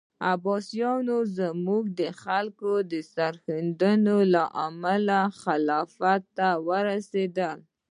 عباسیان زموږ د خلکو سرښندنو له امله خلافت ته ورسېدل.